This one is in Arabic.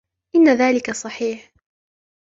إن ذلك صحيح.